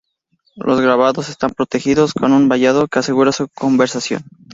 Los grabados están protegidos con un vallado que asegura su conservación.